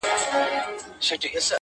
چي خزان سي بیا د باد پر اوږو لویږي